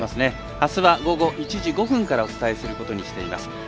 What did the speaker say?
あすは午後１時５分からお伝えすることにしています。